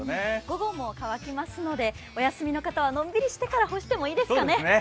午後も乾きますので、お休みの方はのんびりしてから干してもいいですね。